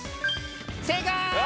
正解！